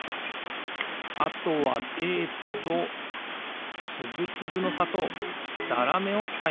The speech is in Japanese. あとはテープとつぶつぶのさとうざらめをつかいます。